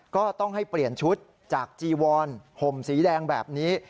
ก็ต้องให้เปลี่ยนชุดจากจีวอนห่มสีแดงแบบนี้